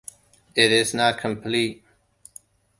It is not complete.